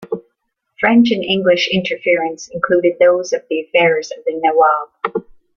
French and English interference included those of the affairs of the Nawab.